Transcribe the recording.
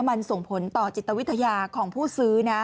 มันส่งผลต่อจิตวิทยาของผู้ซื้อนะ